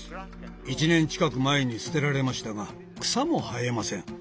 １年近く前にすてられましたが草も生えません。